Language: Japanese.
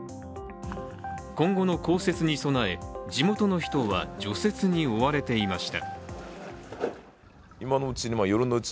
今後の降雪に備え、地元の人は除雪に追われていました。